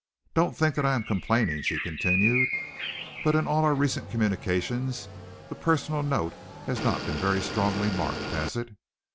Don't think that I am complaining," she continued, "but in all our recent communications the personal note has not been very strongly marked, has it?